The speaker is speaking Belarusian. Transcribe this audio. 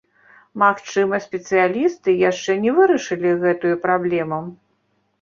Магчыма, спецыялісты яшчэ не вырашылі гэтую праблему.